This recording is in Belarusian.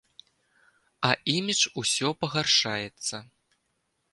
А імідж усё пагаршаецца.